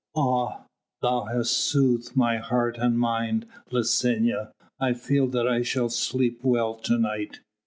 "Ah! thou hast soothed my heart and mind, Licinia. I feel that I shall sleep well to night."